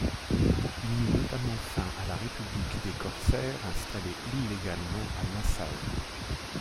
Il mit notamment fin à la République des Corsaires installée illégalement à Nassau.